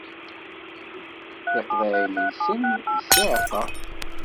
Tiqeḍɛiyin-nsen s ssiɛqa.